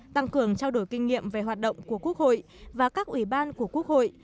tăng cường trao đổi kinh nghiệm về hoạt động của quốc hội và các ủy ban của quốc hội